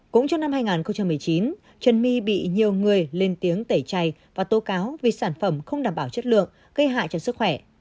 cũng trong năm hai nghìn một mươi chín trần my bị nhiều người lên tiếng tẩy chay và tố cáo vì sản phẩm không đảm bảo chất lượng gây hại cho sức khỏe